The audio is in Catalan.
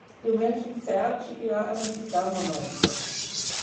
Diumenge en Sergi irà a visitar mon oncle.